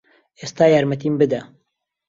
ئێستا یارمەتیم بدە.